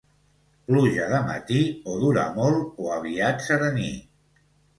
Pluja de matí, o dura molt o aviat serení.